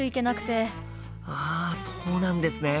ああそうなんですね。